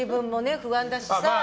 不安だしさ。